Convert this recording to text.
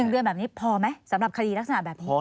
๑เดือนแบบนี้พอไหมสำหรับคดีลักษณะแบบนี้